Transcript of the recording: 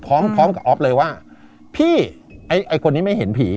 พร้อมกับอ๊อฟเลยว่าพี่ไอ้คนนี้ไม่เห็นผี